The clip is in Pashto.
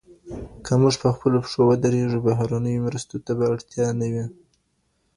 که موږ په خپلو پښو ودرږو بهرنيو مرستو ته به اړتيا نه وي.